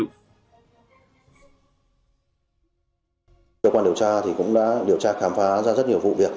cơ quan điều tra thì cũng đã điều tra khám phá ra rất nhiều vụ việc